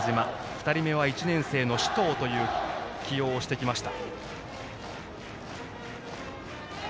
２人目は１年生の首藤という起用をしてきました。